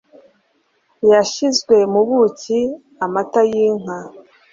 Yashizwe mu buki amata yinka